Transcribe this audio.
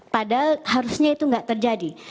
padahal harusnya itu nggak terjadi